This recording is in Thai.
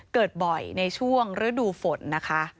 เกิดบ่อยในช่วงฤดูฝน